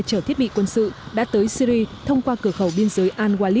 chở thiết bị quân sự đã tới syria thông qua cửa khẩu biên giới an guali